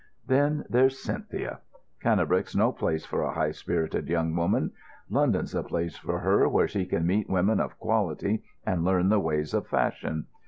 "Then there's Cynthia. Cannebrake's no place for a high spirited young woman. London's the place for her, where she can meet women of quality and learn the ways of fashion.